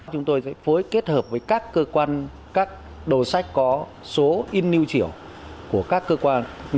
chúng tôi sẽ phối kết hợp với các cơ quan các đầu sách có số in new chiu của các cơ quan